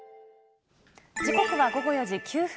時刻は午後４時９分。